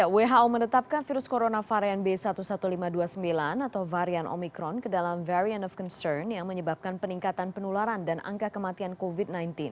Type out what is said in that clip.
who menetapkan virus corona varian b satu satu lima ratus dua puluh sembilan atau varian omikron ke dalam varian of concern yang menyebabkan peningkatan penularan dan angka kematian covid sembilan belas